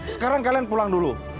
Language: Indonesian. sekarang kalian pulang dulu